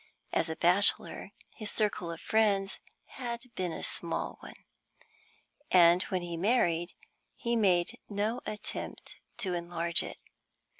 As a bachelor, his circle of friends had been a small one, and when he married he made no attempt to enlarge it.